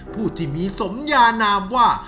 ผู้ที่มีสมยานามว่า